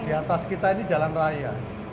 di atas kita ini jalan raya